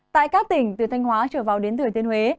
tại các tỉnh từ thanh hóa trở vào đến thừa thiên huế